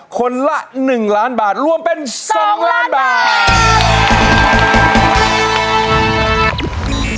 คนละ๑ล้านบาทรวมเป็น๒ล้านบาท